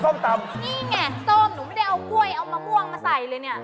ตำนี่ไงส้มหนูไม่ได้เอากล้วยเอามะม่วงมาใส่เลยเนี่ย